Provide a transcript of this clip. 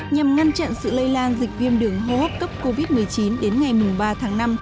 nhằm ngăn chặn sự lây lan dịch viêm đường hô hấp cấp covid một mươi chín đến ngày ba tháng năm